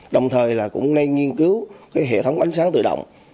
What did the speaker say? đồng thời cũng nên nghiên cứu hệ thống ánh sáng tự động